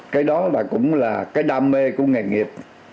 cái đó là cũng là cái đam mê của nghề nghiệp